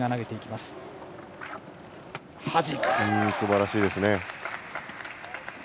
すばらしいです。